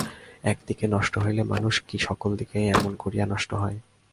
এক দিকে নষ্ট হইলে মানুষ কি সকল দিকেই এমনি করিয়া নষ্ট হয়।